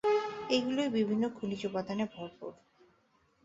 এগুলোয় বিভিন্ন খনিজ উপাদানে ভরপুর।